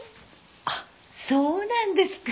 あっそうなんですか？